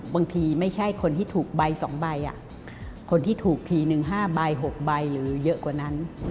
บางทีไม่ใช่คนที่ถูกใบ๒ใบคนที่ถูกทีหนึ่ง๕ใบ๖ใบหรือเยอะกว่านั้น